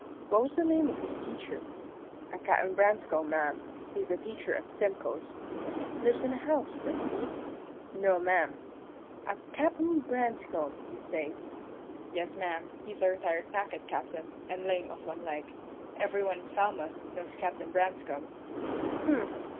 "What was the name of his teacher?" "A Captain Branscome, ma'am. He's a teacher at Stimcoe's." "Lives in the house, does he?" "No, ma'am." "A Captain Branscome, you say?" "Yes, ma'am. He's a retired packet captain, and lame of one leg. Every one in Falmouth knows Captain Branscome." "H'm!